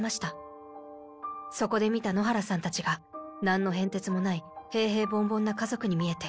そこで見た野原さんたちがなんの変哲もない平々凡々な家族に見えて。